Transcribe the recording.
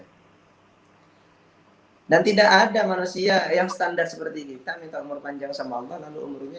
hai dan tidak ada manusia yang standar seperti kita minta umur panjang sama allah lalu umurnya